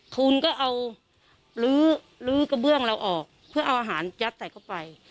คุณก็เอาลื้อกระเบื้องเราออกเพื่อเอาอาหารยัดใส่เข้าไป